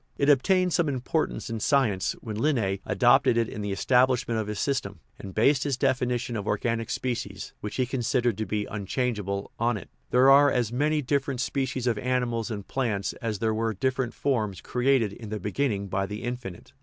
It obtained some importance in science when Linn6 adopt ed it in the establishment of his system, and based his definition of organic species (which he considered to be unchangeable) on it :" There are as many different species of animals and plants as there were different forms created in the beginning by the Infinite."